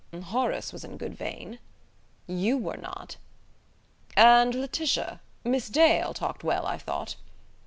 "Horace was in good vein." "You were not." "And Laetitia Miss Dale talked well, I thought."